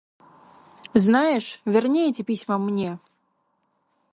Знаешь, верни эти письма мне.